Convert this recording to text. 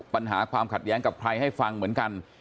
ปัญหาความขัดแย้งกับใครให้ฟังเหมือนกัน